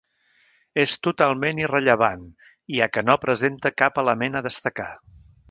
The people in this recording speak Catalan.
És totalment irrellevant, ja que no presenta cap element a destacar.